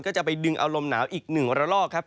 ก็จะไปดึงอารมณ์หนาวอีกหนึ่งวันละรอบ